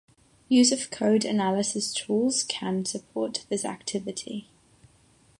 Use of code analysis tools can support this activity.